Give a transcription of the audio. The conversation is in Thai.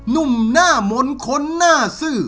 นุ่มหน้ามนคนน่าสื้อ